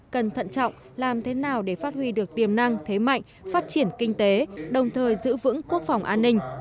cần thận trọng làm thế nào để phát huy được tiềm năng thế mạnh phát triển kinh tế đồng thời giữ vững quốc phòng an ninh